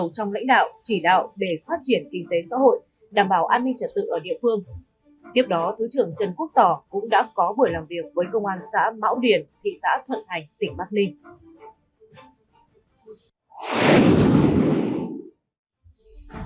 tiếp đó thứ trưởng trần quốc tỏ cũng đã có buổi làm việc với công an xã mão điền thị xã thận hành tỉnh bắc ninh